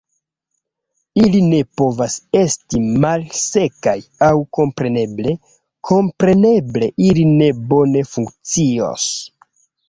Ili ne povas esti malsekaj, aŭ kompreneble, kompreneble ili ne bone funkcios.